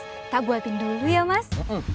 kita buatin dulu ya mas